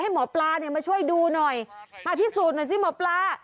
หมอปลาเนี่ยมาช่วยดูหน่อยมาพิสูจน์หน่อยสิหมอปลา